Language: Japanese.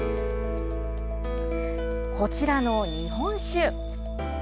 こちらの日本酒。